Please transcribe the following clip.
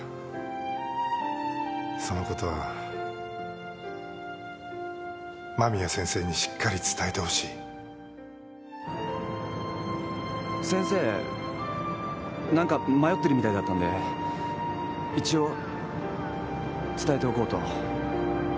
そのことは間宮先生にしっかり伝えてほしい先生何か迷ってるみたいだったんで一応伝えておこうと。